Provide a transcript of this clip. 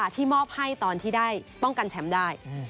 ที่มอบให้ตอนที่ได้ป้องกันแชมป์ได้